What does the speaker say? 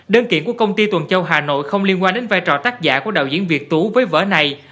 đơn kiện của công ty tuần châu hà nội không liên quan đến vai trò tác giả của đạo diễn việt tú với vở này